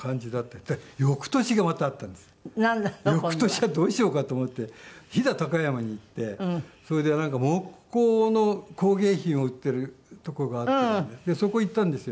翌年はどうしようかと思って飛騨高山に行ってそれで木工の工芸品を売っている所があったんでそこ行ったんですよ。